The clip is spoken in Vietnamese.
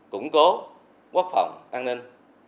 củng cố quốc phòng an ninh